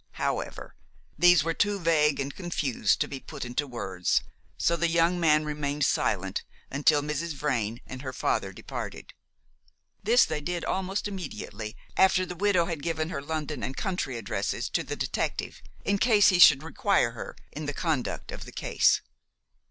However, these were too vague and confused to be put into words, so the young man remained silent until Mrs. Vrain and her father departed. This they did almost immediately, after the widow had given her London and country addresses to the detective, in case he should require her in the conduct of the case.